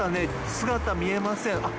姿、見えません。